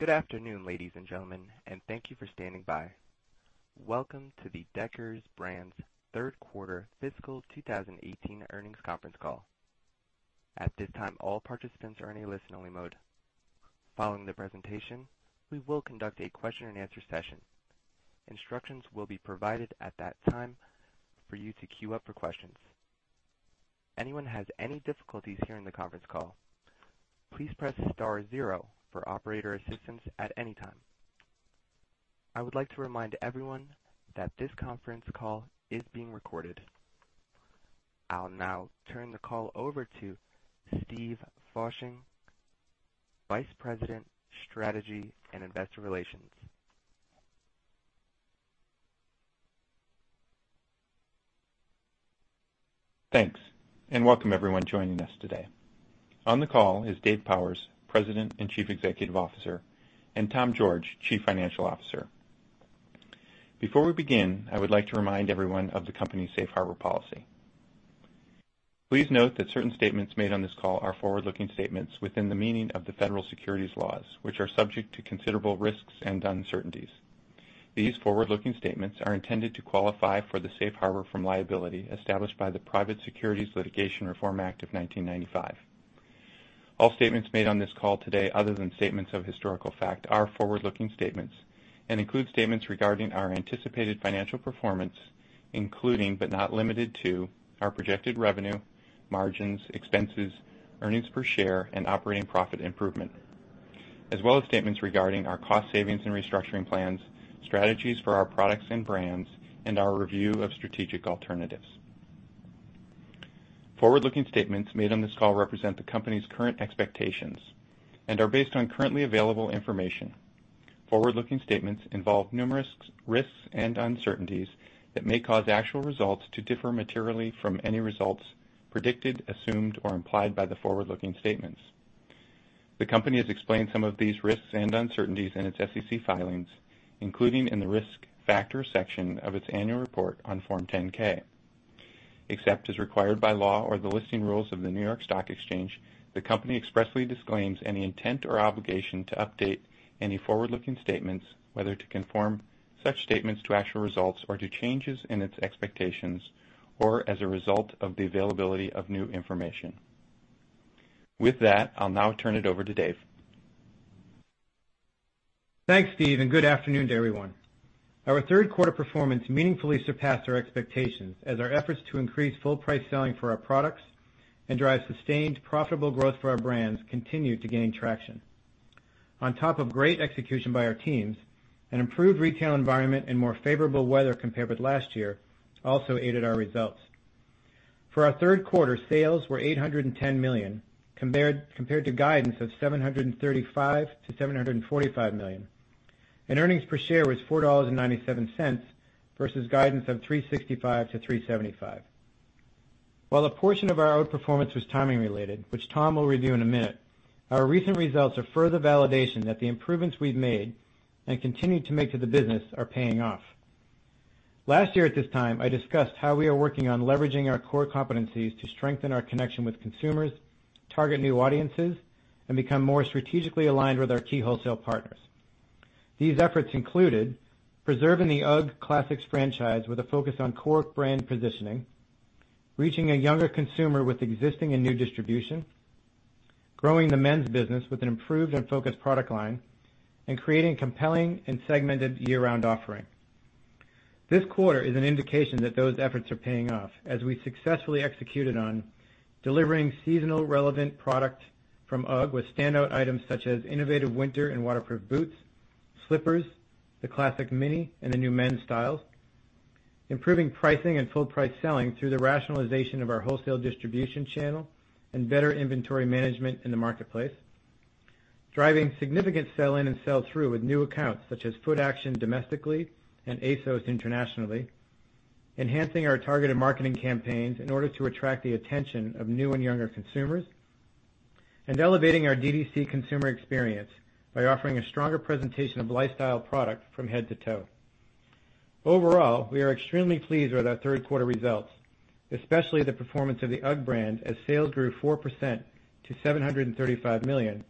Good afternoon, ladies and gentlemen, thank you for standing by. Welcome to the Deckers Brands' third quarter fiscal 2018 earnings conference call. At this time, all participants are in a listen-only mode. Following the presentation, we will conduct a question-and-answer session. Instructions will be provided at that time for you to queue up for questions. Anyone has any difficulties hearing the conference call, please press star zero for operator assistance at any time. I would like to remind everyone that this conference call is being recorded. I'll now turn the call over to Steve Fasching, Vice President, Strategy and Investor Relations. Thanks, welcome everyone joining us today. On the call is Dave Powers, President and Chief Executive Officer, Tom George, Chief Financial Officer. Before we begin, I would like to remind everyone of the company's safe harbor policy. Please note that certain statements made on this call are forward-looking statements within the meaning of the Federal Securities Laws, which are subject to considerable risks and uncertainties. These forward-looking statements are intended to qualify for the safe harbor from liability established by the Private Securities Litigation Reform Act of 1995. All statements made on this call today, other than statements of historical fact, are forward-looking statements and include statements regarding our anticipated financial performance, including, but not limited to, our projected revenue, margins, expenses, earnings per share, and operating profit improvement. As well as statements regarding our cost savings and restructuring plans, strategies for our products and brands, and our review of strategic alternatives. Forward-looking statements made on this call represent the company's current expectations and are based on currently available information. Forward-looking statements involve numerous risks and uncertainties that may cause actual results to differ materially from any results predicted, assumed, or implied by the forward-looking statements. The company has explained some of these risks and uncertainties in its SEC filings, including in the risk factor section of its annual report on Form 10-K. Except as required by law or the listing rules of the New York Stock Exchange, the company expressly disclaims any intent or obligation to update any forward-looking statements, whether to conform such statements to actual results or to changes in its expectations or as a result of the availability of new information. With that, I'll now turn it over to Dave. Thanks, Steve, and good afternoon to everyone. Our third quarter performance meaningfully surpassed our expectations as our efforts to increase full price selling for our products and drive sustained profitable growth for our brands continued to gain traction. On top of great execution by our teams, an improved retail environment and more favorable weather compared with last year also aided our results. For our third quarter, sales were $810 million, compared to guidance of $735 million to $745 million, and earnings per share was $4.97 versus guidance of $3.65 to $3.75. While a portion of our outperformance was timing related, which Tom will review in a minute, our recent results are further validation that the improvements we've made and continue to make to the business are paying off. Last year at this time, I discussed how we are working on leveraging our core competencies to strengthen our connection with consumers, target new audiences, and become more strategically aligned with our key wholesale partners. These efforts included preserving the UGG Classics franchise with a focus on core brand positioning, reaching a younger consumer with existing and new distribution, growing the men's business with an improved and focused product line, and creating compelling and segmented year-round offering. This quarter is an indication that those efforts are paying off as we successfully executed on delivering seasonal relevant product from UGG with standout items such as innovative winter and waterproof boots, slippers, the Classic Mini, and the new men's styles. Improving pricing and full price selling through the rationalization of our wholesale distribution channel and better inventory management in the marketplace. Driving significant sell-in and sell-through with new accounts such as Footaction domestically and ASOS internationally. Elevating our targeted marketing campaigns in order to attract the attention of new and younger consumers, and elevating our DTC consumer experience by offering a stronger presentation of lifestyle product from head to toe. Overall, we are extremely pleased with our third quarter results, especially the performance of the UGG brand as sales grew 4% to $735 million,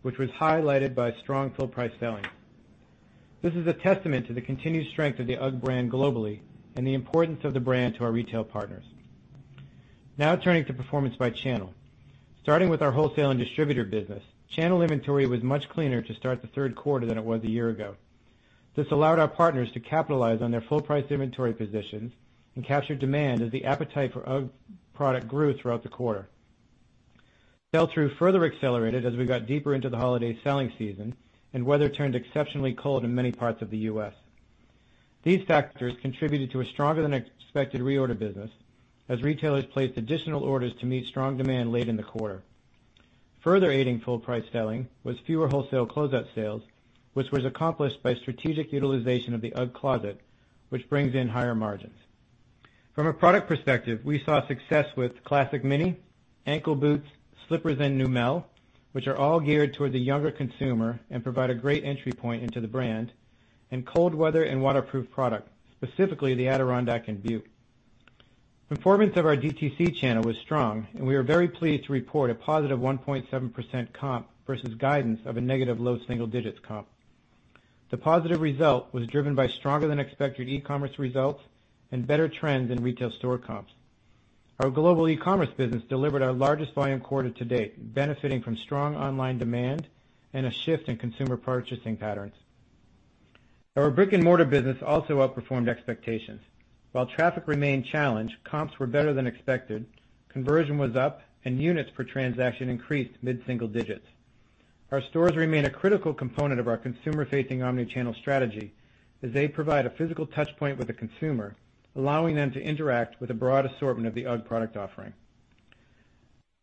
which was highlighted by strong full price selling. This is a testament to the continued strength of the UGG brand globally and the importance of the brand to our retail partners. Turning to performance by channel. Starting with our wholesale and distributor business, channel inventory was much cleaner to start the third quarter than it was a year ago. This allowed our partners to capitalize on their full price inventory positions and capture demand as the appetite for UGG product grew throughout the quarter. Sell-through further accelerated as we got deeper into the holiday selling season and weather turned exceptionally cold in many parts of the U.S. These factors contributed to a stronger than expected reorder business as retailers placed additional orders to meet strong demand late in the quarter. Further aiding full price selling was fewer wholesale closeout sales, which was accomplished by strategic utilization of the UGG Closet, which brings in higher margins. From a product perspective, we saw success with Classic Mini, ankle boots, slippers, and Neumel, which are all geared toward the younger consumer and provide a great entry point into the brand, and cold weather and waterproof product, specifically the Adirondack and Butte. Performance of our DTC channel was strong, and we are very pleased to report a positive 1.7% comp versus guidance of a negative low single digits comp. The positive result was driven by stronger than expected e-commerce results and better trends in retail store comps. Our global e-commerce business delivered our largest volume quarter to date, benefiting from strong online demand and a shift in consumer purchasing patterns. Our brick-and-mortar business also outperformed expectations. While traffic remained challenged, comps were better than expected, conversion was up, and units per transaction increased mid-single digits. Our stores remain a critical component of our consumer-facing omni-channel strategy as they provide a physical touchpoint with the consumer, allowing them to interact with a broad assortment of the UGG product offering.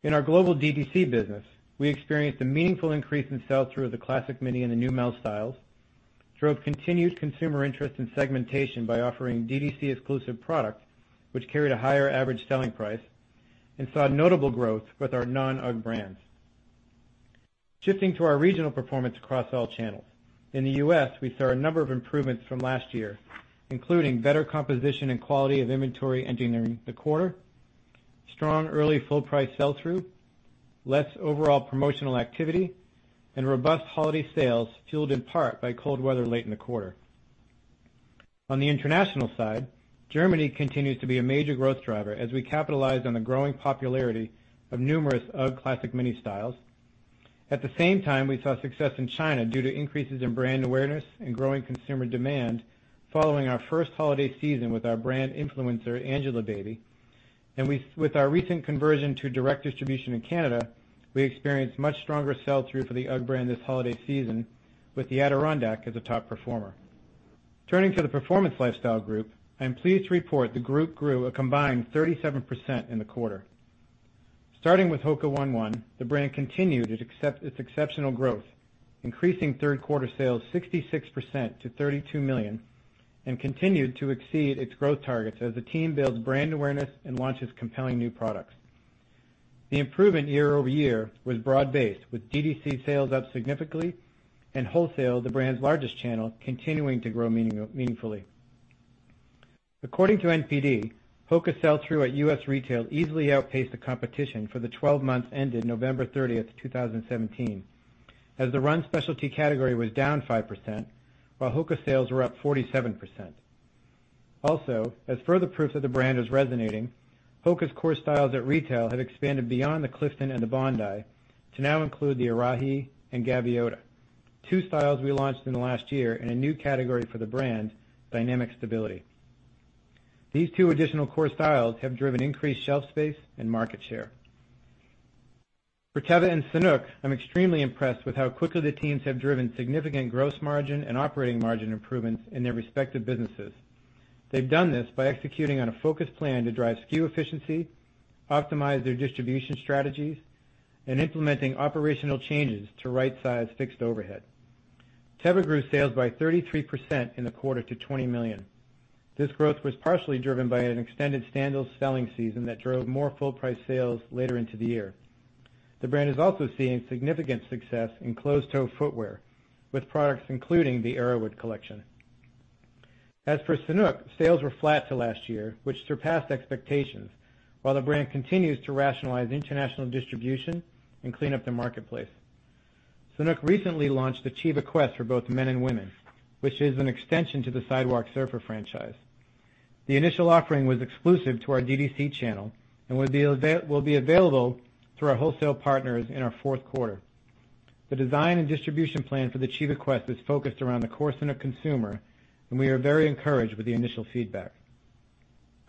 In our global DTC business, we experienced a meaningful increase in sell-through of the Classic Mini and the Neumel styles, drove continued consumer interest in segmentation by offering DTC exclusive product, which carried a higher average selling price, and saw notable growth with our non-UGG brands. Shifting to our regional performance across all channels. In the U.S., we saw a number of improvements from last year, including better composition and quality of inventory entering the quarter, strong early full price sell-through, less overall promotional activity, and robust holiday sales fueled in part by cold weather late in the quarter. On the international side, Germany continues to be a major growth driver as we capitalize on the growing popularity of numerous UGG Classic Mini styles. At the same time, we saw success in China due to increases in brand awareness and growing consumer demand following our first holiday season with our brand influencer, Angelababy. With our recent conversion to direct distribution in Canada, we experienced much stronger sell-through for the UGG brand this holiday season with the Adirondack as a top performer. Turning to the Performance Lifestyle Group, I'm pleased to report the group grew a combined 37% in the quarter. Starting with HOKA ONE ONE, the brand continued its exceptional growth, increasing third quarter sales 66% to $32 million, and continued to exceed its growth targets as the team builds brand awareness and launches compelling new products. The improvement year-over-year was broad-based, with DTC sales up significantly and wholesale, the brand's largest channel, continuing to grow meaningfully. According to NPD, HOKA sell-through at U.S. retail easily outpaced the competition for the 12 months ended November 30th, 2017, as the run specialty category was down 5% while HOKA sales were up 47%. As further proof that the brand is resonating, HOKA's core styles at retail have expanded beyond the Clifton and the Bondi to now include the Arahi and Gaviota, two styles we launched in the last year in a new category for the brand, dynamic stability. These two additional core styles have driven increased shelf space and market share. For Teva and Sanuk, I'm extremely impressed with how quickly the teams have driven significant gross margin and operating margin improvements in their respective businesses. They've done this by executing on a focused plan to drive SKU efficiency, optimize their distribution strategies, and implementing operational changes to right-size fixed overhead. Teva grew sales by 33% in the quarter to $20 million. This growth was partially driven by an extended sandal selling season that drove more full price sales later into the year. The brand is also seeing significant success in closed-toe footwear with products including the Arrowood collection. As for Sanuk, sales were flat to last year, which surpassed expectations while the brand continues to rationalize international distribution and clean up the marketplace. Sanuk recently launched the Chiba Quest for both men and women, which is an extension to the Sidewalk Surfer franchise. The initial offering was exclusive to our DTC channel and will be available through our wholesale partners in our fourth quarter. The design and distribution plan for the Chiba Quest is focused around a core center consumer, and we are very encouraged with the initial feedback.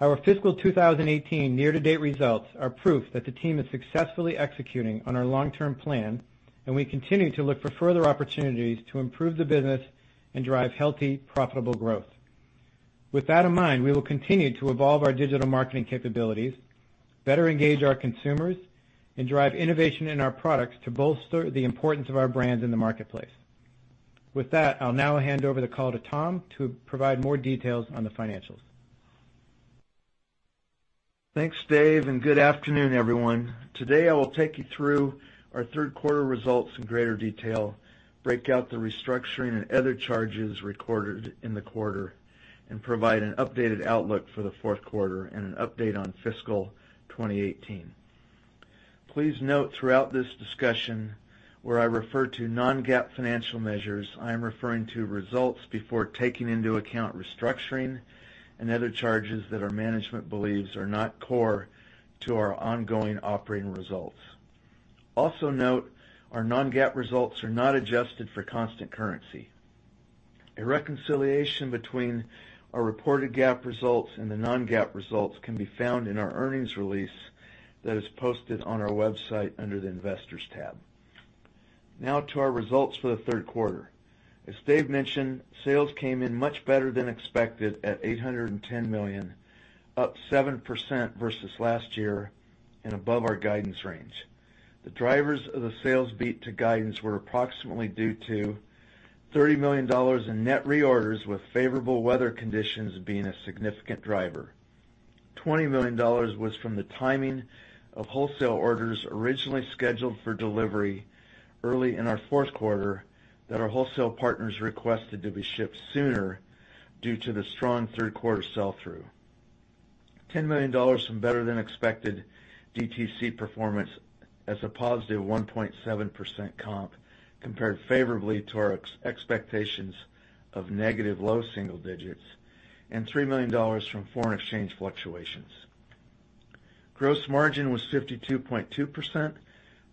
Our fiscal 2018 year-to-date results are proof that the team is successfully executing on our long-term plan, and we continue to look for further opportunities to improve the business and drive healthy, profitable growth. With that in mind, we will continue to evolve our digital marketing capabilities, better engage our consumers, and drive innovation in our products to bolster the importance of our brands in the marketplace. With that, I'll now hand over the call to Tom to provide more details on the financials. Thanks, Dave, and good afternoon, everyone. Today, I will take you through our third quarter results in greater detail, break out the restructuring and other charges recorded in the quarter, and provide an updated outlook for the fourth quarter and an update on fiscal 2018. Please note throughout this discussion, where I refer to non-GAAP financial measures, I am referring to results before taking into account restructuring and other charges that our management believes are not core to our ongoing operating results. Also note, our non-GAAP results are not adjusted for constant currency. A reconciliation between our reported GAAP results and the non-GAAP results can be found in our earnings release that is posted on our website under the Investors tab. Now to our results for the third quarter. As Dave mentioned, sales came in much better than expected at $810 million, up 7% versus last year and above our guidance range. The drivers of the sales beat to guidance were approximately due to $30 million in net reorders with favorable weather conditions being a significant driver. $20 million was from the timing of wholesale orders originally scheduled for delivery early in our fourth quarter that our wholesale partners requested to be shipped sooner due to the strong third quarter sell-through. $10 million from better than expected DTC performance as a positive 1.7% comp compared favorably to our expectations of negative low single digits and $3 million from foreign exchange fluctuations. Gross margin was 52.2%,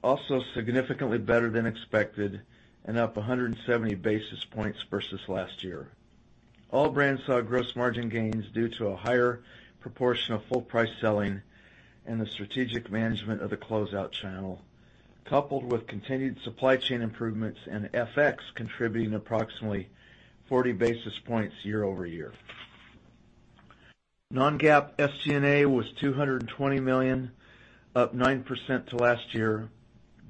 also significantly better than expected and up 170 basis points versus last year. All brands saw gross margin gains due to a higher proportion of full price selling and the strategic management of the closeout channel, coupled with continued supply chain improvements and FX contributing approximately 40 basis points year-over-year. Non-GAAP SG&A was $220 million, up 9% to last year,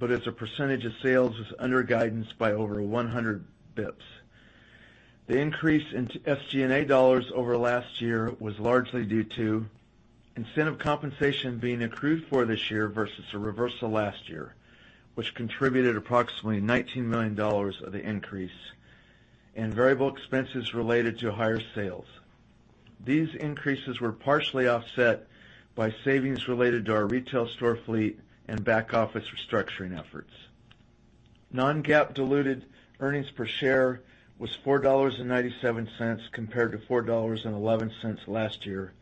but as a percentage of sales was under guidance by over 100 basis points. The increase in SG&A dollars over last year was largely due to incentive compensation being accrued for this year versus a reversal last year, which contributed approximately $19 million of the increase and variable expenses related to higher sales. These increases were partially offset by savings related to our retail store fleet and back office restructuring efforts. Non-GAAP diluted earnings per share was $4.97 compared to $4.11 last year,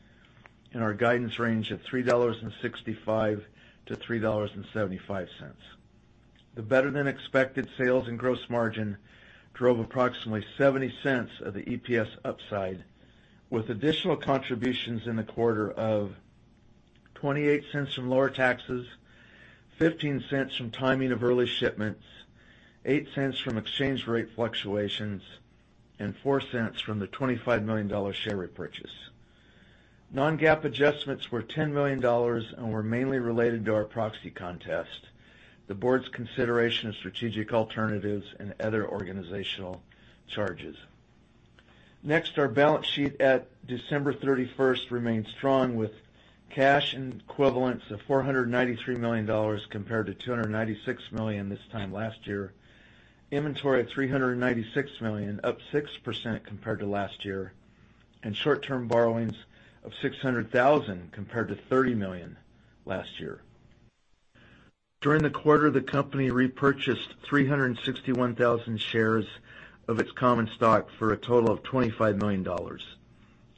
and our guidance range of $3.65 to $3.75. The better-than-expected sales and gross margin drove approximately $0.70 of the EPS upside with additional contributions in the quarter of $0.28 from lower taxes, $0.15 from timing of early shipments, $0.08 from exchange rate fluctuations, and $0.04 from the $25 million share repurchase. Non-GAAP adjustments were $10 million and were mainly related to our proxy contest, the board's consideration of strategic alternatives, and other organizational charges. Our balance sheet at December 31st remains strong with cash and equivalents of $493 million compared to $296 million this time last year. Inventory of $396 million, up 6% compared to last year, and short-term borrowings of $600,000 compared to $30 million last year. During the quarter, the company repurchased 361,000 shares of its common stock for a total of $25 million.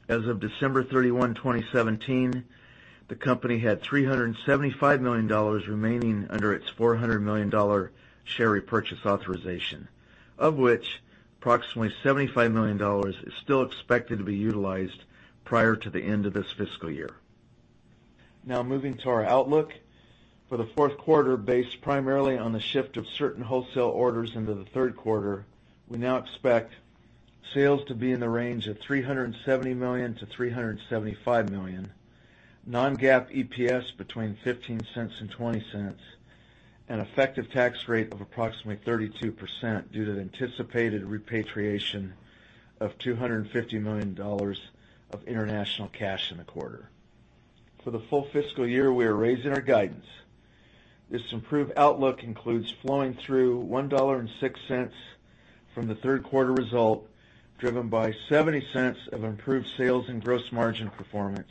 As of December 31, 2017, the company had $375 million remaining under its $400 million share repurchase authorization, of which approximately $75 million is still expected to be utilized prior to the end of this fiscal year. Moving to our outlook. For the fourth quarter, based primarily on the shift of certain wholesale orders into the third quarter, we now expect sales to be in the range of $370 million-$375 million, non-GAAP EPS between $0.15 and $0.20, an effective tax rate of approximately 32% due to the anticipated repatriation of $250 million of international cash in the quarter. For the full fiscal year, we are raising our guidance. This improved outlook includes flowing through $1.06 from the third quarter result, driven by $0.70 of improved sales and gross margin performance,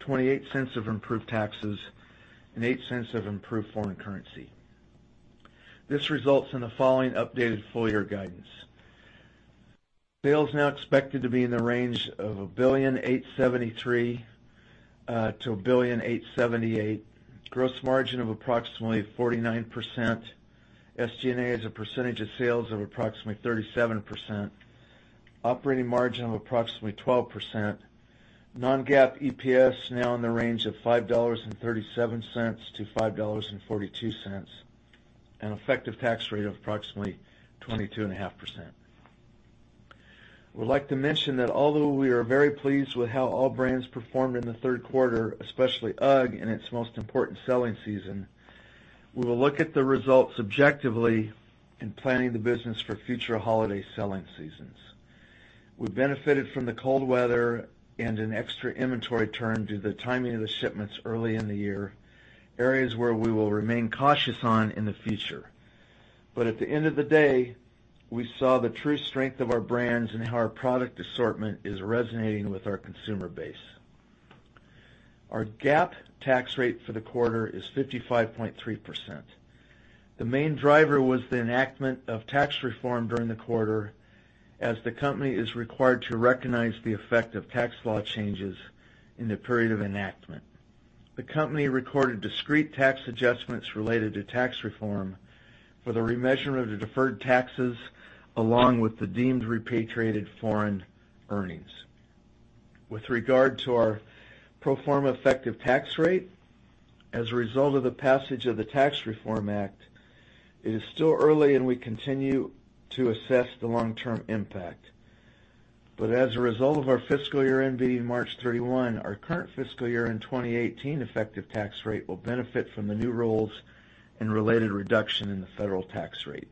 $0.28 of improved taxes, and $0.08 of improved foreign currency. This results in the following updated full-year guidance. Sales now expected to be in the range of $1.873 billion-$1.878 billion. Gross margin of approximately 49%. SG&A as a percentage of sales of approximately 37%. Operating margin of approximately 12%. Non-GAAP EPS now in the range of $5.37-$5.42. An effective tax rate of approximately 22.5%. We'd like to mention that although we are very pleased with how all brands performed in the third quarter, especially UGG and its most important selling season, we will look at the results objectively in planning the business for future holiday selling seasons. We benefited from the cold weather and an extra inventory turn due to the timing of the shipments early in the year, areas where we will remain cautious on in the future. We saw the true strength of our brands and how our product assortment is resonating with our consumer base. Our GAAP tax rate for the quarter is 55.3%. The main driver was the enactment of tax reform during the quarter, as the company is required to recognize the effect of tax law changes in the period of enactment. The company recorded discrete tax adjustments related to tax reform for the remeasure of the deferred taxes, along with the deemed repatriated foreign earnings. With regard to our pro forma effective tax rate, as a result of the passage of the Tax Reform Act, it is still early and we continue to assess the long-term impact. As a result of our fiscal year-end being March 31, our current fiscal year-end 2018 effective tax rate will benefit from the new rules and related reduction in the federal tax rate.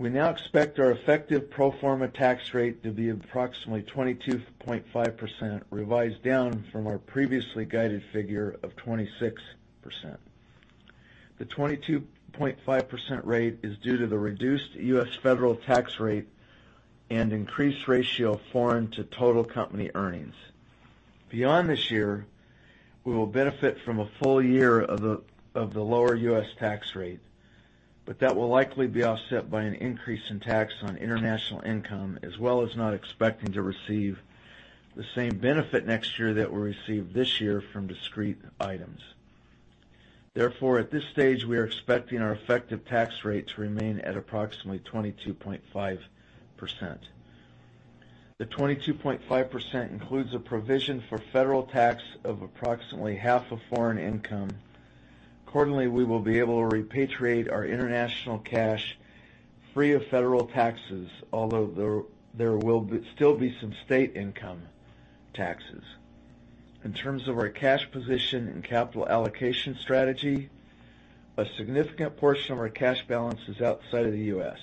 We now expect our effective pro forma tax rate to be approximately 22.5%, revised down from our previously guided figure of 26%. The 22.5% rate is due to the reduced U.S. federal tax rate and increased ratio of foreign to total company earnings. Beyond this year, we will benefit from a full year of the lower U.S. tax rate, but that will likely be offset by an increase in tax on international income, as well as not expecting to receive the same benefit next year that we'll receive this year from discrete items. Therefore, at this stage, we are expecting our effective tax rate to remain at approximately 22.5%. The 22.5% includes a provision for federal tax of approximately half of foreign income. Accordingly, we will be able to repatriate our international cash free of federal taxes, although there will still be some state income taxes. In terms of our cash position and capital allocation strategy, a significant portion of our cash balance is outside of the U.S.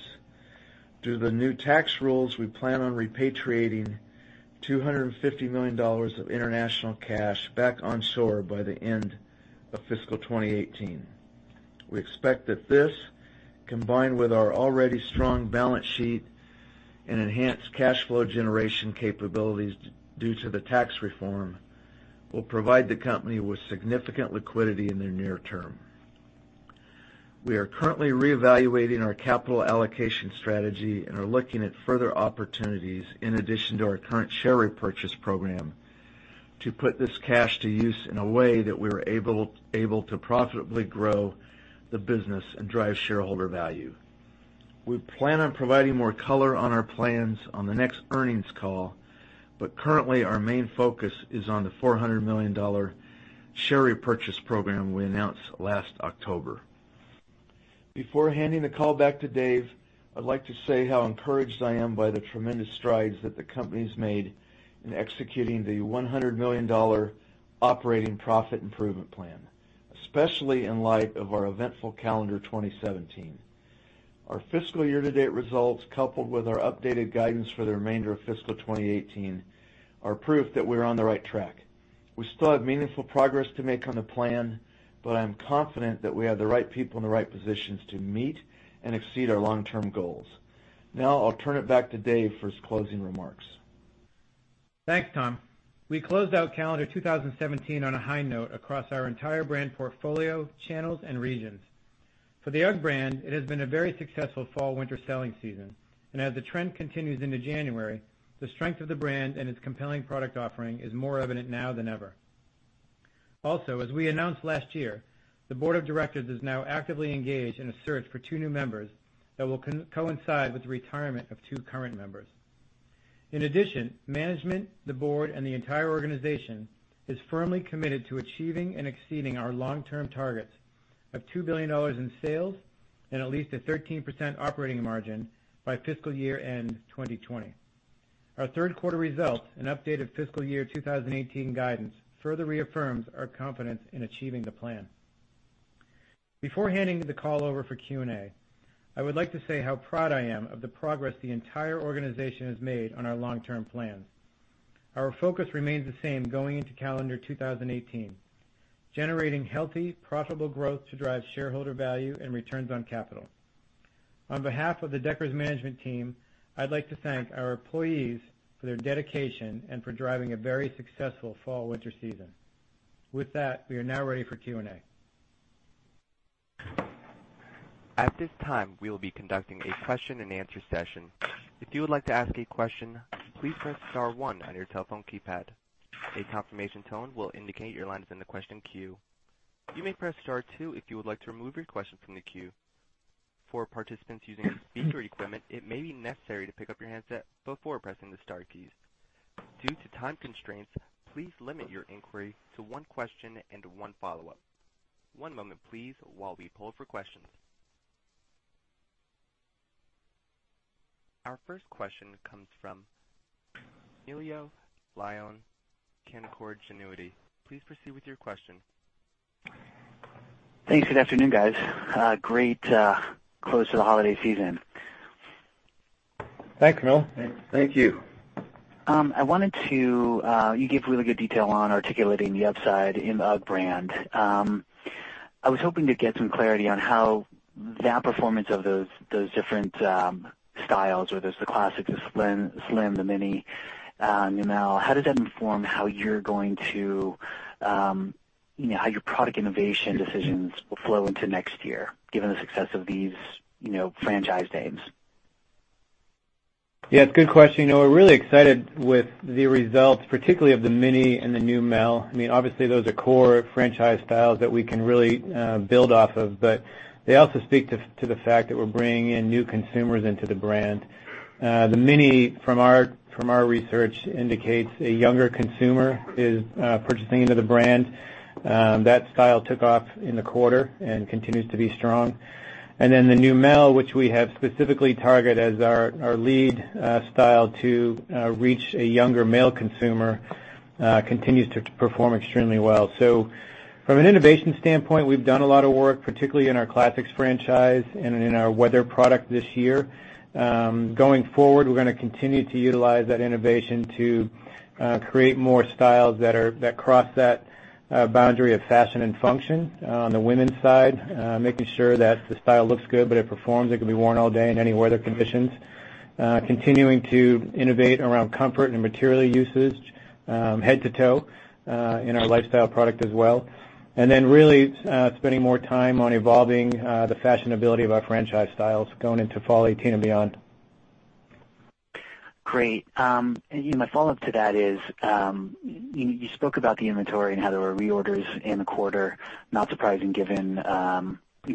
Due to the new tax rules, we plan on repatriating $250 million of international cash back onshore by the end of fiscal 2018. We expect that this, combined with our already strong balance sheet and enhanced cash flow generation capabilities due to the tax reform, will provide the company with significant liquidity in the near term. We are currently reevaluating our capital allocation strategy and are looking at further opportunities in addition to our current share repurchase program to put this cash to use in a way that we are able to profitably grow the business and drive shareholder value. We plan on providing more color on our plans on the next earnings call, but currently, our main focus is on the $400 million share repurchase program we announced last October. Before handing the call back to Dave, I'd like to say how encouraged I am by the tremendous strides that the company's made in executing the $100 million operating profit improvement plan, especially in light of our eventful calendar 2017. Our fiscal year-to-date results, coupled with our updated guidance for the remainder of fiscal 2018, are proof that we're on the right track. We still have meaningful progress to make on the plan, but I'm confident that we have the right people in the right positions to meet and exceed our long-term goals. Now I'll turn it back to Dave for his closing remarks. Thanks, Tom. We closed out calendar 2017 on a high note across our entire brand portfolio, channels, and regions. For the UGG brand, it has been a very successful fall/winter selling season, and as the trend continues into January, the strength of the brand and its compelling product offering is more evident now than ever. Also, as we announced last year, the board of directors is now actively engaged in a search for two new members that will coincide with the retirement of two current members. In addition, management, the board, and the entire organization is firmly committed to achieving and exceeding our long-term targets of $2 billion in sales and at least a 13% operating margin by fiscal year-end 2020. Our third quarter results and updated fiscal year 2018 guidance further reaffirms our confidence in achieving the plan. Before handing the call over for Q&A, I would like to say how proud I am of the progress the entire organization has made on our long-term plan. Our focus remains the same going into calendar 2018, generating healthy, profitable growth to drive shareholder value and returns on capital. On behalf of the Deckers management team, I'd like to thank our employees for their dedication and for driving a very successful fall/winter season. With that, we are now ready for Q&A. At this time, we will be conducting a question and answer session. If you would like to ask a question, please press star one on your telephone keypad. A confirmation tone will indicate your line is in the question queue. You may press star two if you would like to remove your question from the queue. For participants using speaker equipment, it may be necessary to pick up your handset before pressing the star keys. Due to time constraints, please limit your inquiry to one question and one follow-up. One moment, please, while we poll for questions. Our first question comes from Camilo Lyon, Canaccord Genuity. Please proceed with your question. Thanks. Good afternoon, guys. Great close to the holiday season. Thanks, Camilo. Thank you. You gave really good detail on articulating the upside in UGG brand. I was hoping to get some clarity on how that performance of those different styles, whether it's the classics, the Slim, the Mini and now how does that inform how your product innovation decisions will flow into next year, given the success of these franchise names? It's a good question. We're really excited with the results, particularly of the Mini and the Neumel. Obviously, those are core franchise styles that we can really build off of, but they also speak to the fact that we're bringing in new consumers into the brand. The Mini, from our research, indicates a younger consumer is purchasing into the brand. That style took off in the quarter and continues to be strong. The Neumel, which we have specifically targeted as our lead style to reach a younger male consumer continues to perform extremely well. From an innovation standpoint, we've done a lot of work, particularly in our Classics franchise and in our weather product this year. Going forward, we're going to continue to utilize that innovation to create more styles that cross that boundary of fashion and function on the women's side. Making sure that the style looks good, but it performs, it can be worn all day in any weather conditions. Continuing to innovate around comfort and material usage head to toe in our lifestyle product as well. Really spending more time on evolving the fashionability of our franchise styles going into fall 2018 and beyond. Great. My follow-up to that is, you spoke about the inventory and how there were reorders in the quarter, not surprising given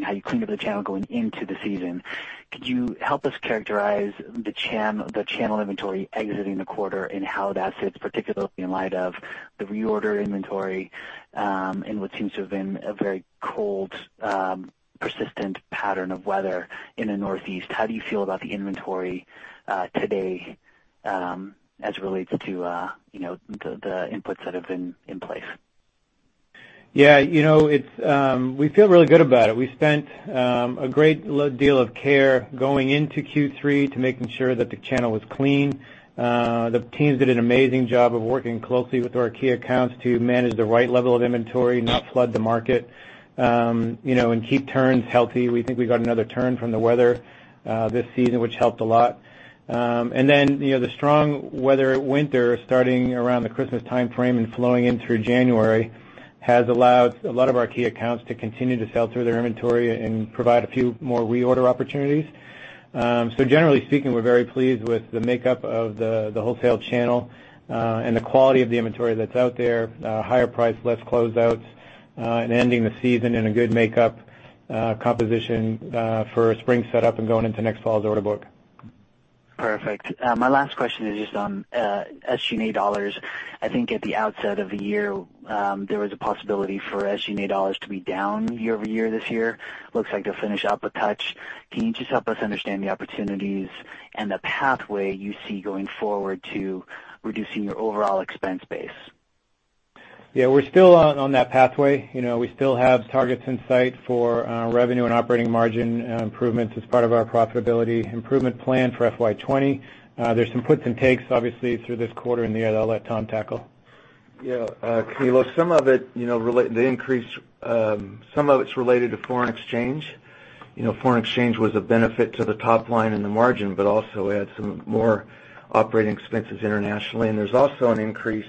how you cleaned up the channel going into the season. Could you help us characterize the channel inventory exiting the quarter and how that sits, particularly in light of the reorder inventory, and what seems to have been a very cold, persistent pattern of weather in the Northeast? How do you feel about the inventory today, as it relates to the inputs that have been in place? Yeah. We feel really good about it. We spent a great deal of care going into Q3 to making sure that the channel was clean. The teams did an amazing job of working closely with our key accounts to manage the right level of inventory, not flood the market, and keep turns healthy. We think we got another turn from the weather this season, which helped a lot. The strong weather winter, starting around the Christmas timeframe and flowing in through January, has allowed a lot of our key accounts to continue to sell through their inventory and provide a few more reorder opportunities. Generally speaking, we're very pleased with the makeup of the wholesale channel, and the quality of the inventory that's out there. Higher price, less closeouts, ending the season in a good makeup composition for a spring set-up and going into next fall's order book. Perfect. My last question is just on SG&A dollars. I think at the outset of the year, there was a possibility for SG&A dollars to be down year-over-year this year. Looks like they'll finish up a touch. Can you just help us understand the opportunities and the pathway you see going forward to reducing your overall expense base? We're still on that pathway. We still have targets in sight for revenue and operating margin improvements as part of our profitability improvement plan for FY 2020. There's some puts and takes, obviously, through this quarter and the other that I'll let Tom tackle. Camilo, some of it's related to foreign exchange. Foreign exchange was a benefit to the top line and the margin, also we had some more operating expenses internationally. There's also an increase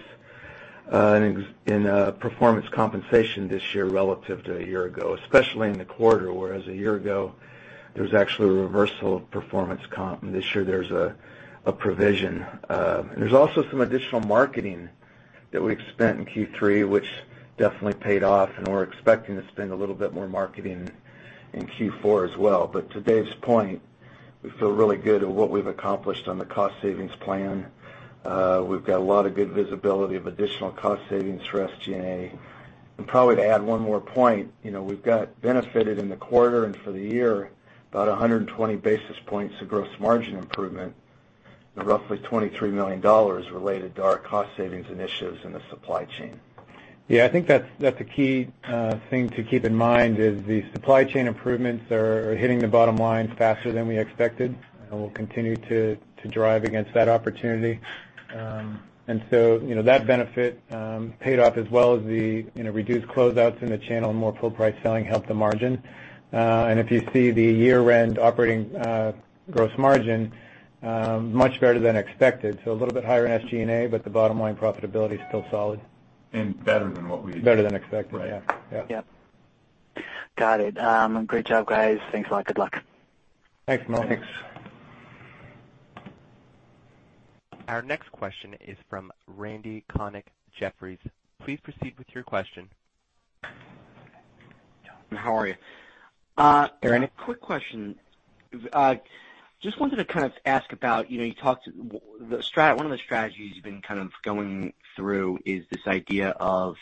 in performance compensation this year relative to a year ago, especially in the quarter. Whereas a year ago, there was actually a reversal of performance comp. This year, there's a provision. There's also some additional marketing that we've spent in Q3, which definitely paid off, and we're expecting to spend a little bit more marketing in Q4 as well. To Dave's point, we feel really good at what we've accomplished on the cost savings plan. We've got a lot of good visibility of additional cost savings for SG&A. To add one more point, we've got benefited in the quarter and for the year, about 120 basis points of gross margin improvement and roughly $23 million related to our cost savings initiatives in the supply chain. Yeah, I think that's a key thing to keep in mind, is the supply chain improvements are hitting the bottom line faster than we expected, and we'll continue to drive against that opportunity. That benefit paid off as well as the reduced closeouts in the channel and more full-price selling helped the margin. If you see the year-end operating gross margin, much better than expected. A little bit higher in SG&A, but the bottom-line profitability is still solid. Better than what we expected. Better than expected. Yeah. Yeah. Yep. Got it. Great job, guys. Thanks a lot. Good luck. Thanks, Camilo. Thanks. Our next question is from Randy Konik, Jefferies. Please proceed with your question. How are you? Great. A quick question. Just wanted to kind of ask about, one of the strategies you've been kind of going through is this idea of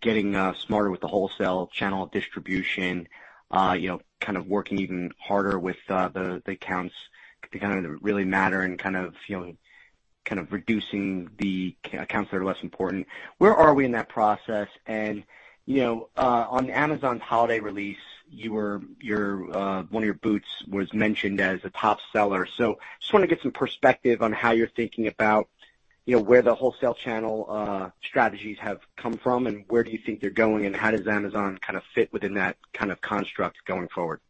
getting smarter with the wholesale channel distribution. Kind of working even harder with the accounts that kind of really matter and kind of reducing the accounts that are less important. Where are we in that process? On Amazon's holiday release, one of your boots was mentioned as a top seller. Just want to get some perspective on how you're thinking about where the wholesale channel strategies have come from, and where do you think they're going, and how does Amazon kind of fit within that kind of construct going forward?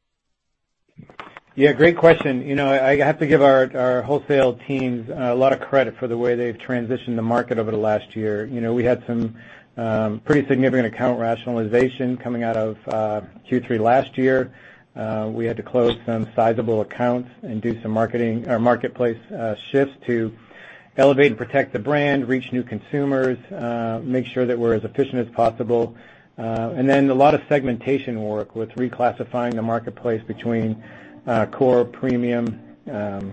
Yeah, great question. I have to give our wholesale teams a lot of credit for the way they've transitioned the market over the last year. We had some pretty significant account rationalization coming out of Q3 last year. We had to close some sizable accounts and do some marketplace shifts to elevate and protect the brand, reach new consumers, make sure that we're as efficient as possible. A lot of segmentation work with reclassifying the marketplace between core, premium, and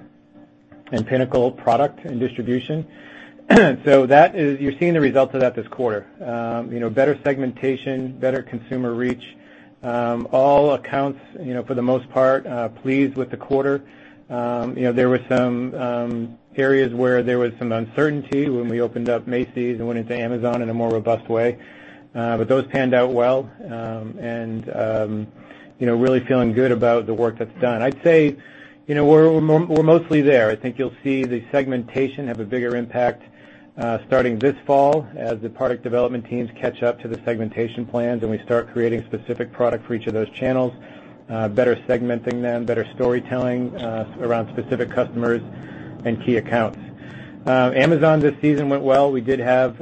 pinnacle product and distribution. You're seeing the results of that this quarter. Better segmentation, better consumer reach. All accounts, for the most part, pleased with the quarter. There were some areas where there was some uncertainty when we opened up Macy's and went into Amazon in a more robust way. Those panned out well and, really feeling good about the work that's done. I'd say, we're mostly there. I think you'll see the segmentation have a bigger impact, starting this fall as the product development teams catch up to the segmentation plans, and we start creating specific product for each of those channels, better segmenting them, better storytelling, around specific customers and key accounts. Amazon this season went well. We did have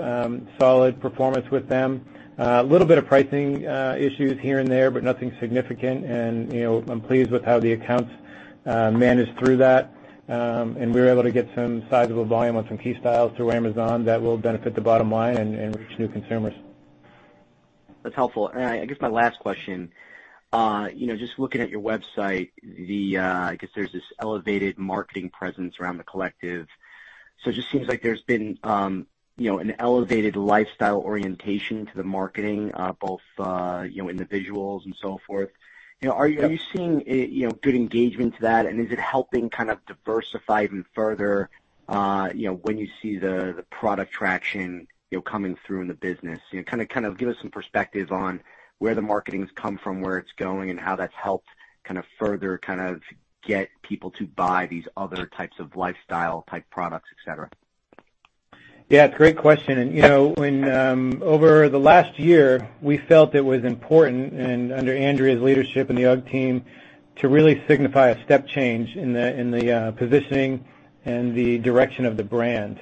solid performance with them. A little bit of pricing issues here and there, nothing significant. I'm pleased with how the accounts managed through that. We were able to get some sizable volume on some key styles through Amazon that will benefit the bottom line and reach new consumers. That's helpful. I guess my last question. Just looking at your website, I guess there's this elevated marketing presence around the collective. Seems like there's been an elevated lifestyle orientation to the marketing, both, in the visuals and so forth. Are you seeing good engagement to that, and is it helping kind of diversify even further when you see the product traction coming through in the business? Kind of give us some perspective on where the marketing's come from, where it's going, and how that's helped kind of further get people to buy these other types of lifestyle type products, et cetera. Great question. Over the last year, we felt it was important, under Andrea's leadership and the UGG team, to really signify a step change in the positioning and the direction of the brand.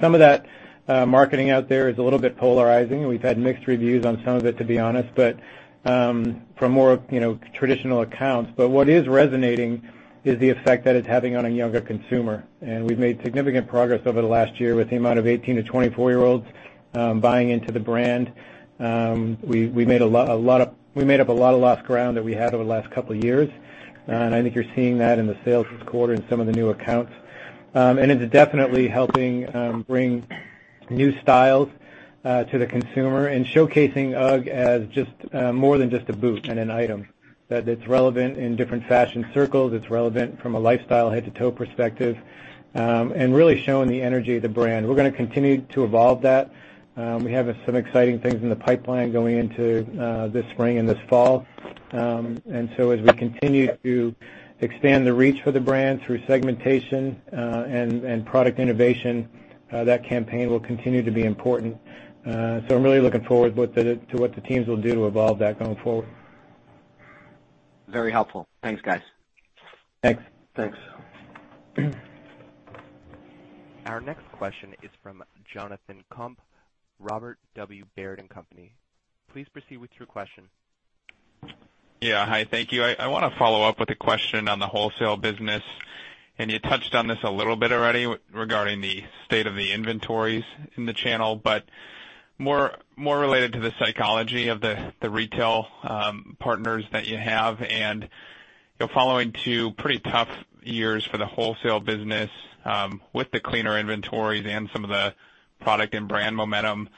Some of that marketing out there is a little bit polarizing. We've had mixed reviews on some of it, to be honest, from more traditional accounts. What is resonating is the effect that it's having on a younger consumer. We've made significant progress over the last year with the amount of 18 to 24-year-olds buying into the brand. We made up a lot of lost ground that we had over the last couple of years. I think you're seeing that in the sales this quarter in some of the new accounts. It's definitely helping bring new styles to the consumer and showcasing UGG as more than just a boot and an item, that it's relevant in different fashion circles, it's relevant from a lifestyle head-to-toe perspective, and really showing the energy of the brand. We're going to continue to evolve that. We have some exciting things in the pipeline going into this spring and this fall. As we continue to expand the reach for the brand through segmentation, and product innovation, that campaign will continue to be important. I'm really looking forward to what the teams will do to evolve that going forward. Very helpful. Thanks, guys. Thanks. Thanks. Our next question is from Jonathan Komp, Robert W. Baird & Co.. Please proceed with your question. Yeah. Hi, thank you. I want to follow up with a question on the wholesale business. You touched on this a little bit already regarding the state of the inventories in the channel, but more related to the psychology of the retail partners that you have. Following two pretty tough years for the wholesale business, with the cleaner inventories and some of the product and brand momentum,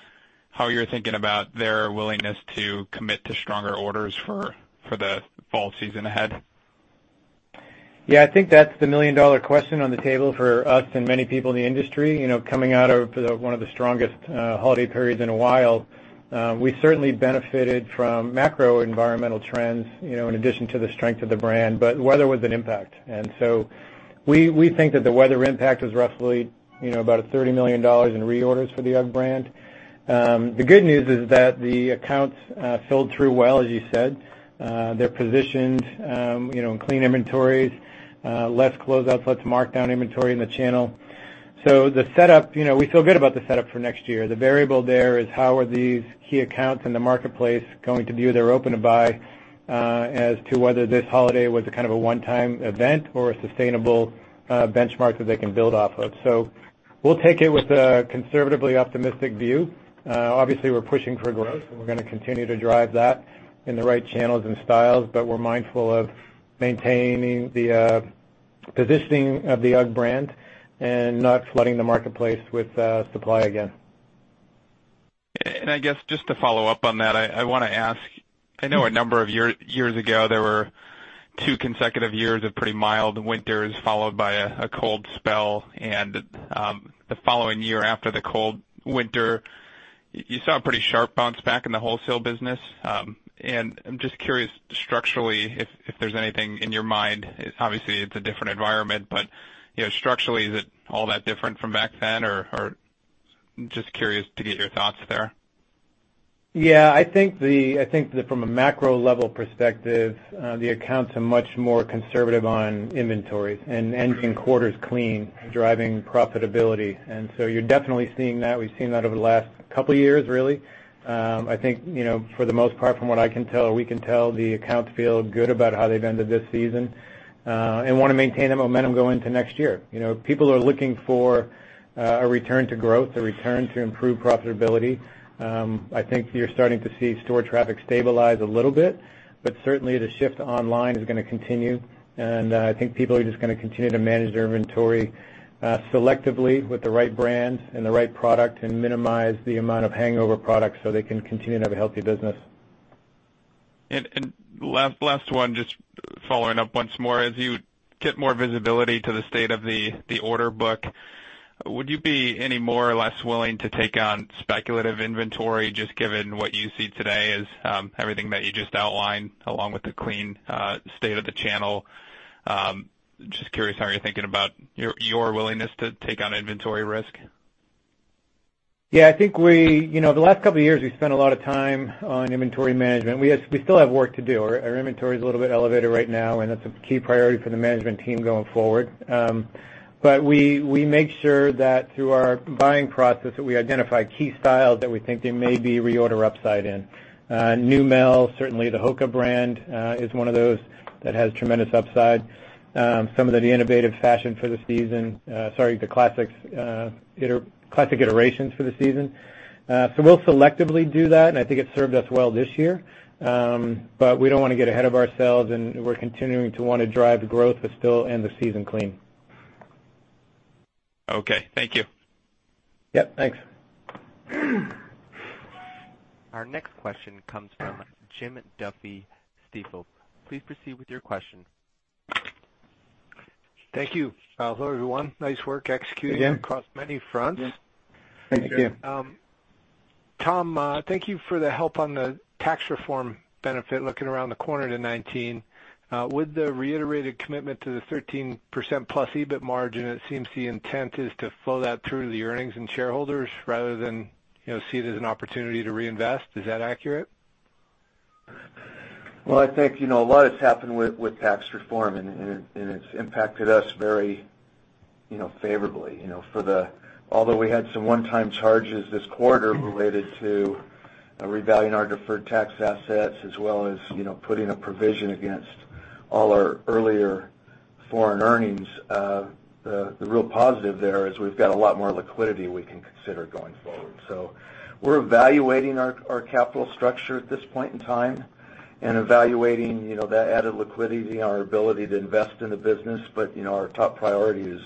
how you're thinking about their willingness to commit to stronger orders for the fall season ahead. Yeah, I think that's the million-dollar question on the table for us and many people in the industry. Coming out of one of the strongest holiday periods in a while, we certainly benefited from macro environmental trends in addition to the strength of the brand. Weather was an impact. We think that the weather impact is roughly about $30 million in reorders for the UGG brand. The good news is that the accounts filled through well, as you said. They're positioned in clean inventories, less closeout, less markdown inventory in the channel. We feel good about the setup for next year. The variable there is how are these key accounts in the marketplace going to view their open to buy, as to whether this holiday was a kind of a one-time event or a sustainable benchmark that they can build off of. We'll take it with a conservatively optimistic view. Obviously, we're pushing for growth, and we're going to continue to drive that in the right channels and styles, but we're mindful of maintaining the positioning of the UGG brand and not flooding the marketplace with supply again. I guess just to follow up on that, I want to ask, I know a number of years ago, there were two consecutive years of pretty mild winters followed by a cold spell. The following year after the cold winter, you saw a pretty sharp bounce back in the wholesale business. I'm just curious structurally, if there's anything in your mind. Obviously, it's a different environment, but structurally, is it all that different from back then? I'm just curious to get your thoughts there. I think from a macro-level perspective, the accounts are much more conservative on inventory and ending quarters clean, driving profitability. You're definitely seeing that. We've seen that over the last couple of years, really. I think for the most part, from what I can tell or we can tell, the accounts feel good about how they've ended this season, and want to maintain that momentum going into next year. People are looking for a return to growth, a return to improved profitability. I think you're starting to see store traffic stabilize a little bit. Certainly the shift online is going to continue, and I think people are just going to continue to manage their inventory selectively with the right brands and the right product and minimize the amount of hangover products so they can continue to have a healthy business. Last one, just following up once more. As you get more visibility to the state of the order book, would you be any more or less willing to take on speculative inventory, just given what you see today as everything that you just outlined, along with the clean state of the channel? Just curious how you're thinking about your willingness to take on inventory risk. Yeah, I think the last couple of years, we've spent a lot of time on inventory management. We still have work to do. Our inventory is a little bit elevated right now, and that's a key priority for the management team going forward. We make sure that through our buying process, that we identify key styles that we think there may be reorder upside in. Neumel, certainly the HOKA brand is one of those that has tremendous upside. Some of the innovative fashion for the season. Sorry, the classic iterations for the season. We'll selectively do that, and I think it served us well this year. We don't want to get ahead of ourselves, and we're continuing to want to drive growth, but still end the season clean. Okay, thank you. Yep, thanks. Our next question comes from Jim Duffy, Stifel. Please proceed with your question. Thank you. Hello, everyone. Nice work executing- Again. -across many fronts. Thank you. Tom, thank you for the help on the Tax Reform Act benefit looking around the corner to 2019. With the reiterated commitment to the 13%+ EBIT margin, it seems the intent is to flow that through to the earnings and shareholders rather than see it as an opportunity to reinvest. Is that accurate? I think, a lot has happened with Tax Reform Act, it's impacted us very favorably. Although we had some one-time charges this quarter related to revaluing our deferred tax assets as well as putting a provision against all our earlier foreign earnings. The real positive there is we've got a lot more liquidity we can consider going forward. We're evaluating our capital structure at this point in time and evaluating that added liquidity and our ability to invest in the business. Our top priority is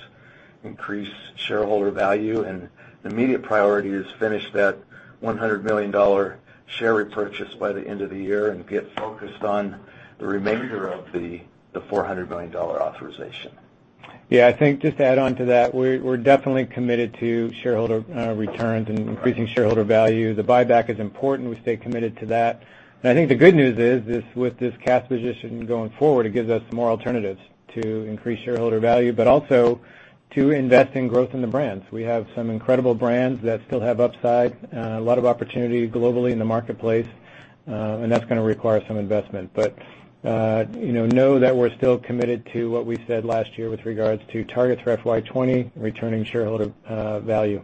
increase shareholder value, and the immediate priority is finish that $100 million share repurchase by the end of the year and get focused on the remainder of the $400 million authorization. I think just to add on to that, we're definitely committed to shareholder returns and increasing shareholder value. The buyback is important. We stay committed to that. I think the good news is, with this cash position going forward, it gives us more alternatives to increase shareholder value, but also to invest in growth in the brands. We have some incredible brands that still have upside, a lot of opportunity globally in the marketplace, and that's going to require some investment. Know that we're still committed to what we said last year with regards to targets for FY 2020, returning shareholder value.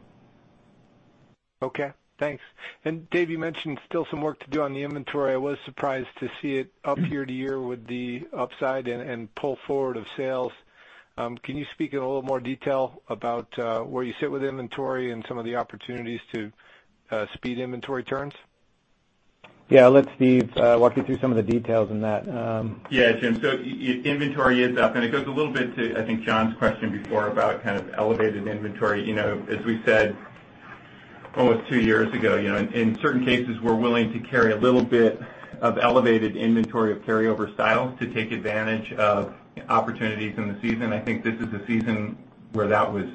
Dave, you mentioned still some work to do on the inventory. I was surprised to see it up year-over-year with the upside and pull forward of sales. Can you speak in a little more detail about where you sit with inventory and some of the opportunities to speed inventory turns? I'll let Steve walk you through some of the details in that. Jim. Inventory is up, and it goes a little bit to, I think, John's question before about kind of elevated inventory. As we said almost 2 years ago, in certain cases, we're willing to carry a little bit of elevated inventory of carryover styles to take advantage of opportunities in the season. I think this is a season where that was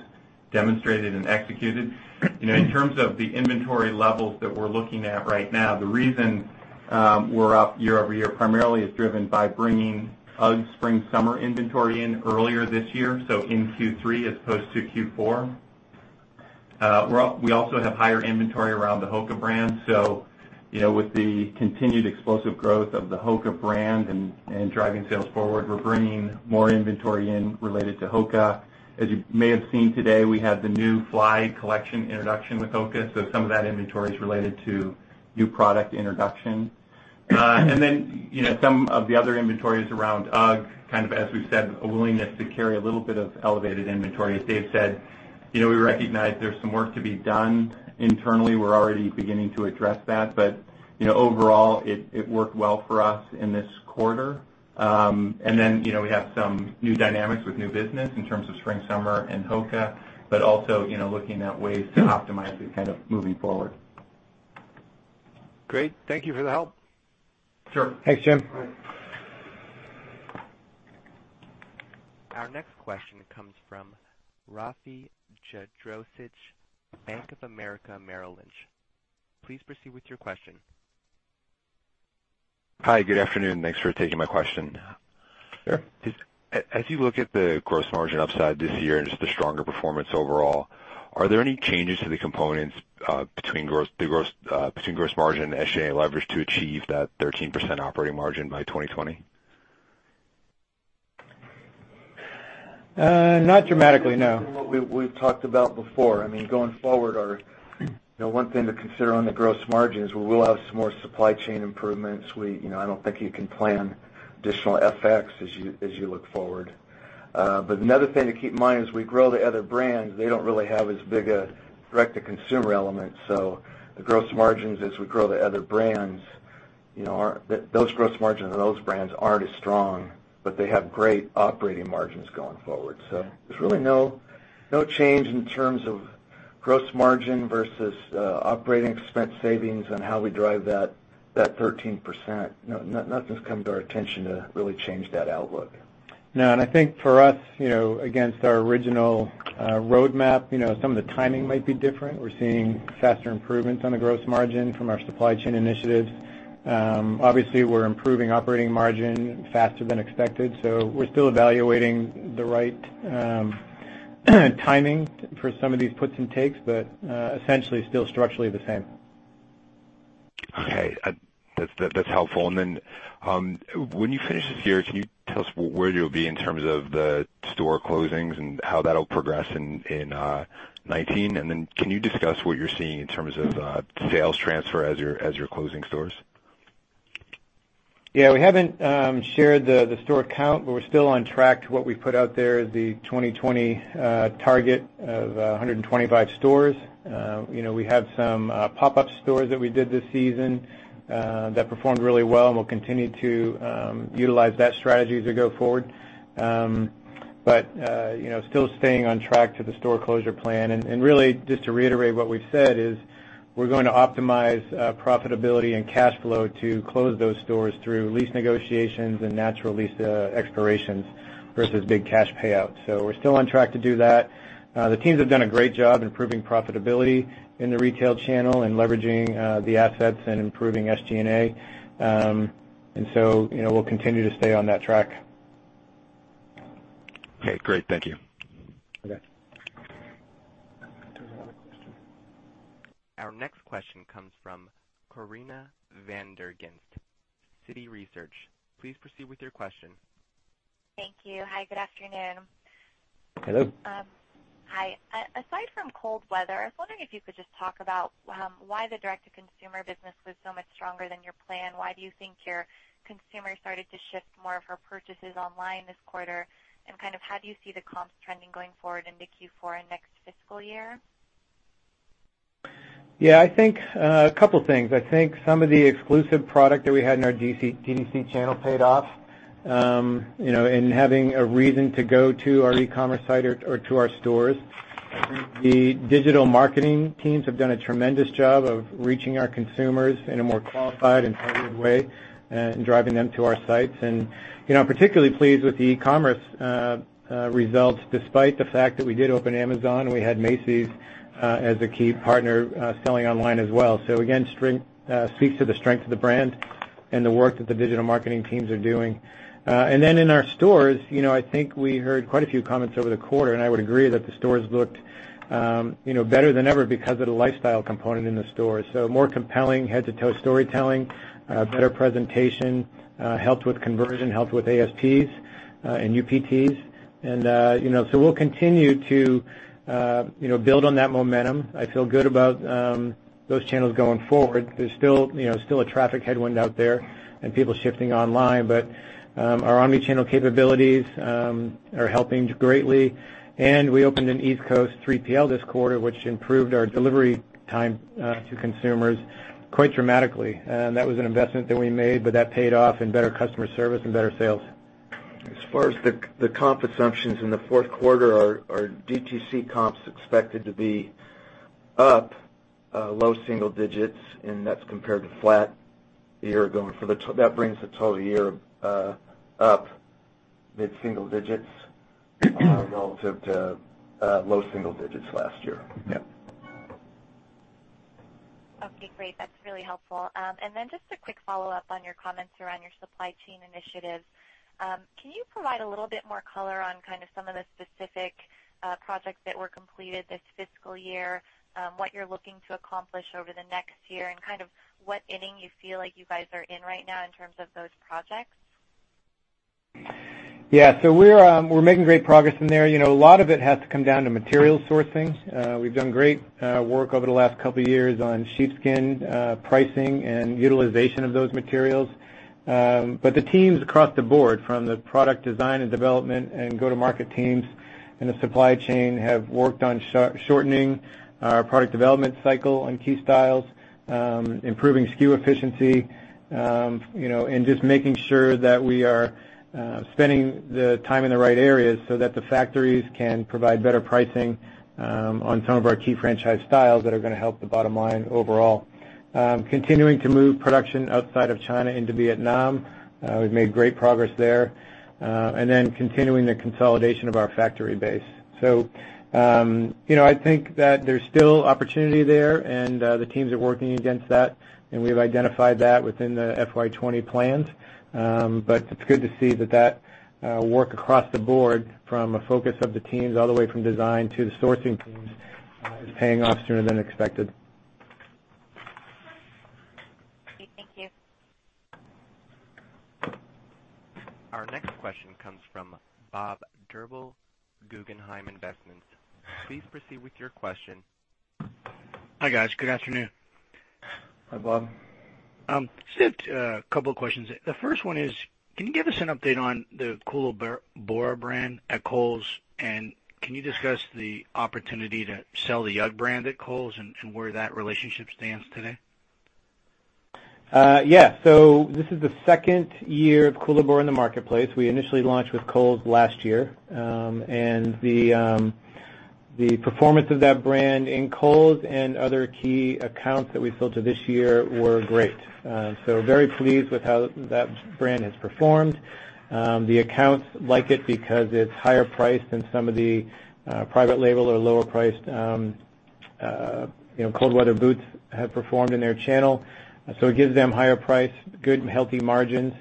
demonstrated and executed. In terms of the inventory levels that we're looking at right now, the reason we're up year-over-year primarily is driven by bringing UGG spring/summer inventory in earlier this year. In Q3 as opposed to Q4. We also have higher inventory around the HOKA brand. With the continued explosive growth of the HOKA brand and driving sales forward, we're bringing more inventory in related to HOKA. As you may have seen today, we had the new Fly collection introduction with HOKA. Some of that inventory is related to new product introduction. Some of the other inventory is around UGG, kind of, as we've said, a willingness to carry a little bit of elevated inventory. As Dave said, we recognize there's some work to be done internally. We're already beginning to address that. Overall, it worked well for us in this quarter. We have some new dynamics with new business in terms of spring/summer and HOKA, also looking at ways to optimize it kind of moving forward. Great. Thank you for the help. Sure. Thanks, Jim. Our next question comes from Rafe Jadrosich, Bank of America Merrill Lynch. Please proceed with your question. Hi, good afternoon. Thanks for taking my question. Sure. As you look at the gross margin upside this year and just the stronger performance overall, are there any changes to the components between gross margin and SG&A leverage to achieve that 13% operating margin by 2020? Not dramatically, no. This is what we've talked about before. I mean, going forward, one thing to consider on the gross margin is we will have some more supply chain improvements. I don't think you can plan. Additional FX as you look forward. Another thing to keep in mind, as we grow the other brands, they don't really have as big a direct-to-consumer element, so the gross margins as we grow the other brands, those gross margins on those brands aren't as strong, but they have great operating margins going forward. There's really no change in terms of gross margin versus operating expense savings and how we drive that 13%. Nothing's come to our attention to really change that outlook. No, I think for us, against our original roadmap, some of the timing might be different. We're seeing faster improvements on the gross margin from our supply chain initiatives. Obviously, we're improving operating margin faster than expected, we're still evaluating the right timing for some of these puts and takes. Essentially, still structurally the same. Okay. That's helpful. When you finish this year, can you tell us where you'll be in terms of the store closings and how that'll progress in 2019? Can you discuss what you're seeing in terms of sales transfer as you're closing stores? Yeah, we haven't shared the store count, we're still on track to what we put out there, the 2020 target of 125 stores. We have some pop-up stores that we did this season that performed really well, we'll continue to utilize that strategy as we go forward. Still staying on track to the store closure plan. Just to reiterate what we've said is, we're going to optimize profitability and cash flow to close those stores through lease negotiations and natural lease expirations versus big cash payouts. We're still on track to do that. The teams have done a great job improving profitability in the retail channel and leveraging the assets and improving SG&A. We'll continue to stay on that track. Okay, great. Thank you. Okay. There's another question. Our next question comes from Corinna Van der Ghinst, Citi Research. Please proceed with your question. Thank you. Hi, good afternoon. Hello. Hi. Aside from cold weather, I was wondering if you could just talk about why the direct-to-consumer business was so much stronger than your plan. Why do you think your consumer started to shift more of her purchases online this quarter? How do you see the comps trending going forward into Q4 and next fiscal year? Yeah. I think a couple things. I think some of the exclusive product that we had in our DTC channel paid off, in having a reason to go to our e-commerce site or to our stores. I think the digital marketing teams have done a tremendous job of reaching our consumers in a more qualified and targeted way and driving them to our sites. I'm particularly pleased with the e-commerce results, despite the fact that we did open Amazon, and we had Macy's as a key partner selling online as well. Again, speaks to the strength of the brand and the work that the digital marketing teams are doing. Then in our stores, I think we heard quite a few comments over the quarter, and I would agree that the stores looked better than ever because of the lifestyle component in the stores. More compelling head-to-toe storytelling, better presentation, helped with conversion, helped with ASPs and UPTs. We'll continue to build on that momentum. I feel good about those channels going forward. There's still a traffic headwind out there and people shifting online, but our omni-channel capabilities are helping greatly. We opened an East Coast 3PL this quarter, which improved our delivery time to consumers quite dramatically. That was an investment that we made, but that paid off in better customer service and better sales. As far as the comp assumptions in the fourth quarter, our DTC comp is expected to be up low single digits, that's compared to flat year going. That brings the total year up mid-single digits relative to low single digits last year. Yeah. Okay, great. That's really helpful. Just a quick follow-up on your comments around your supply chain initiatives. Can you provide a little bit more color on some of the specific projects that were completed this fiscal year, what you're looking to accomplish over the next year, and what inning you feel like you guys are in right now in terms of those projects? Yeah. We're making great progress in there. A lot of it has to come down to material sourcing. We've done great work over the last couple of years on sheepskin pricing and utilization of those materials. The teams across the board, from the product design and development and go-to-market teams and the supply chain, have worked on shortening our product development cycle on key styles, improving SKU efficiency, and just making sure that we are spending the time in the right areas so that the factories can provide better pricing on some of our key franchise styles that are going to help the bottom line overall. Continuing to move production outside of China into Vietnam. We've made great progress there. Continuing the consolidation of our factory base. I think that there's still opportunity there, and the teams are working against that, and we've identified that within the FY20 plans. It's good to see that work across the board from a focus of the teams all the way from design to the sourcing teams is paying off sooner than expected. Okay, thank you. Our next question comes from Bob Drbul, Guggenheim Securities. Please proceed with your question. Hi, guys. Good afternoon. Hi, Bob. Just a couple of questions. The first one is, can you give us an update on the Koolaburra brand at Kohl's? Can you discuss the opportunity to sell the UGG brand at Kohl's and where that relationship stands today? This is the second year of Koolaburra in the marketplace. We initially launched with Kohl's last year. The performance of that brand in Kohl's and other key accounts that we've sold to this year were great. Very pleased with how that brand has performed. The accounts like it because it's higher priced than some of the private label or lower priced cold weather boots have performed in their channel. It gives them higher price, good and healthy margins,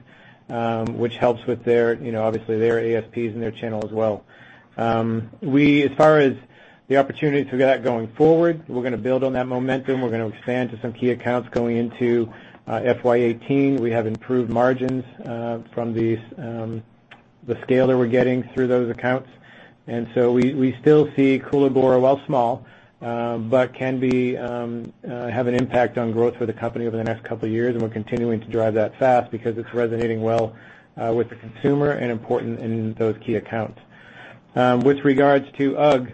which helps with their, obviously, their ASPs and their channel as well. As far as the opportunities for that going forward, we're going to build on that momentum. We're going to expand to some key accounts going into FY 2019. We have improved margins from the scale that we're getting through those accounts. We still see Koolaburra, while small, but can have an impact on growth for the company over the next couple of years, and we're continuing to drive that fast because it's resonating well with the consumer and important in those key accounts. With regards to UGG,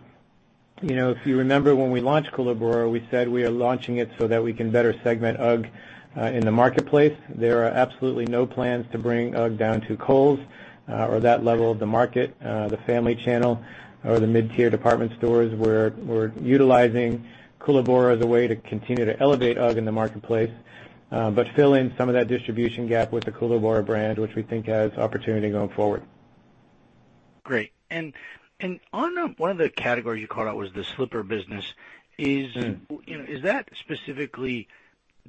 if you remember when we launched Koolaburra, we said we are launching it so that we can better segment UGG in the marketplace. There are absolutely no plans to bring UGG down to Kohl's or that level of the market, the family channel or the mid-tier department stores where we're utilizing Koolaburra as a way to continue to elevate UGG in the marketplace, but fill in some of that distribution gap with the Koolaburra brand, which we think has opportunity going forward. Great. One of the categories you called out was the slipper business. Is that specifically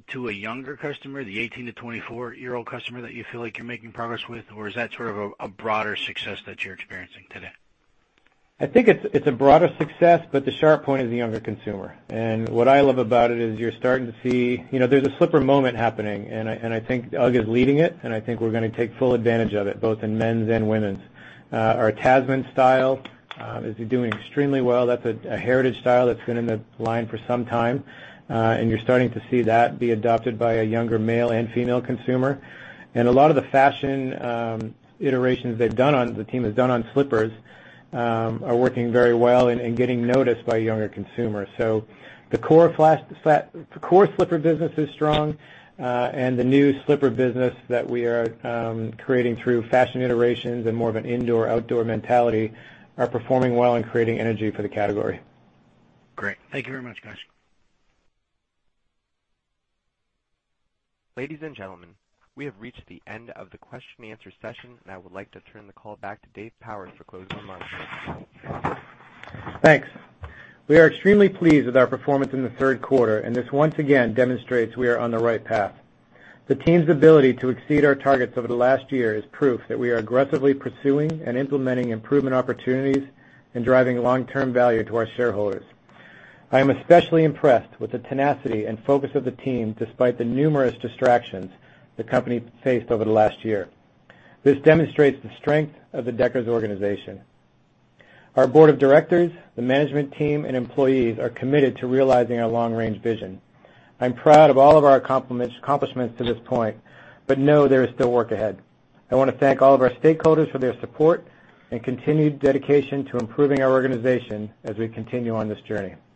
to a younger customer, the 18- to 24-year-old customer that you feel like you're making progress with? Is that sort of a broader success that you're experiencing today? I think it's a broader success. The sharp point is the younger consumer. What I love about it is you're starting to see there's a slipper moment happening. I think UGG is leading it. I think we're going to take full advantage of it, both in men's and women's. Our Tasman style is doing extremely well. That's a heritage style that's been in the line for some time. You're starting to see that be adopted by a younger male and female consumer. A lot of the fashion iterations the team has done on slippers, are working very well and getting noticed by younger consumers. The core slipper business is strong. The new slipper business that we are creating through fashion iterations and more of an indoor-outdoor mentality are performing well and creating energy for the category. Great. Thank you very much, guys. Ladies and gentlemen, we have reached the end of the question and answer session, and I would like to turn the call back to Dave Powers for closing remarks. Thanks. We are extremely pleased with our performance in the third quarter, and this once again demonstrates we are on the right path. The team's ability to exceed our targets over the last year is proof that we are aggressively pursuing and implementing improvement opportunities and driving long-term value to our shareholders. I am especially impressed with the tenacity and focus of the team, despite the numerous distractions the company faced over the last year. This demonstrates the strength of the Deckers organization. Our board of directors, the management team, and employees are committed to realizing our long-range vision. I'm proud of all of our accomplishments to this point, but know there is still work ahead. I want to thank all of our stakeholders for their support and continued dedication to improving our organization as we continue on this journey.